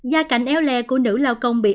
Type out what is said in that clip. gia cảnh eo lè của nữ lao công bệnh